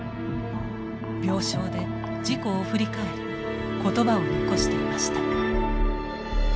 病床で事故を振り返り言葉を残していました。